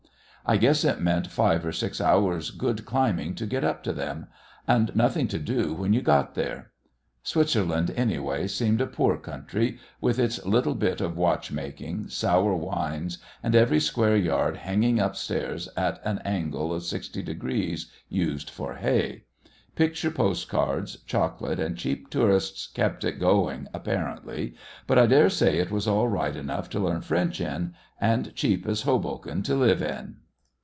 I guess it meant five or six hours' good climbing to get up to them and nothing to do when you got there. Switzerland, anyway, seemed a poor country, with its little bit of watch making, sour wines, and every square yard hanging upstairs at an angle of 60 degrees used for hay. Picture postcards, chocolate and cheap tourists kept it going apparently, but I dare say it was all right enough to learn French in and cheap as Hoboken to live in!